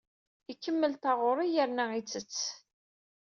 Ikemmel taɣuri yerna ittett.